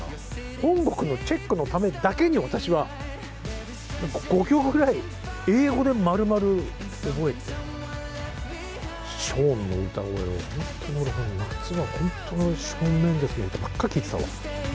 本国のチェックのためだけに、私は５曲ぐらい、英語でまるまる覚えて、ショーンの歌声を、本当に俺、夏は本当に、ショーン・メンデスの歌ばっかり聴いてたわ。